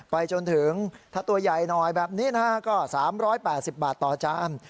ไปจนถึงถ้าตัวใหญ่หน่อยแบบนี้นะฮะก็๓๘๐บาทต่อจาน